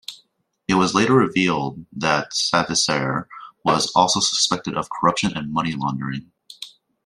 It was later revealed that Savisaar was also suspected of corruption and money laundering.